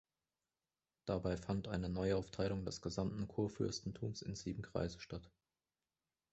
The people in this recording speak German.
Dabei fand eine Neuaufteilung des gesamten Kurfürstentums in sieben Kreise statt.